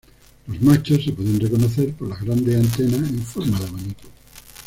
Los machos se pueden reconocer por las grandes antenas en forma de abanico.